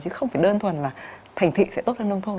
chứ không phải đơn thuần là thành thị sẽ tốt hơn nông thôn